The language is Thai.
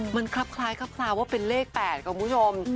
มันคลับคล้ายคลับคลาวว่าเป็นเลข๘กับคุณผู้ชม